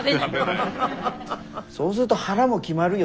そうするとはらも決まるよね。